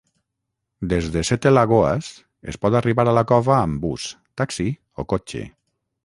Des de Sete Lagoas es pot arribar a la cova amb bus, taxi o cotxe.